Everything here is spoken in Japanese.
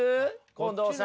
近藤さん。